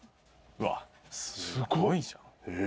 うわっすごいじゃん。え。